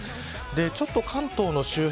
ちょっと関東の周辺